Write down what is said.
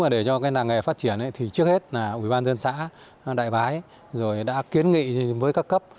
để cho cái làng nghề phát triển thì trước hết là ủy ban dân xã đại bái rồi đã kiến nghị với các cấp